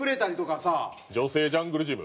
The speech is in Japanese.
女性ジャングルジム。